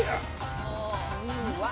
うわ